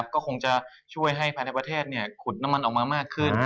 ก็คงจะช่วยให้ภายในประเทศขุดน้ำมันออกมามากขึ้น